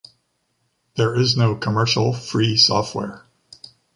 There is no commercial free software.